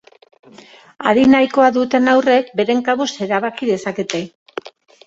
Adin nahikoa duten haurrek beren kabuz erabaki dezakete.